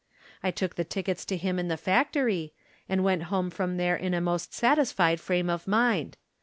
I took the tickets to him in the factory, and went home from there in a most satisfied frame of mind.